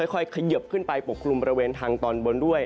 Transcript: ค่อยเขยิบขึ้นไปปกกลุ่มบริเวณทางตอนบนด้วย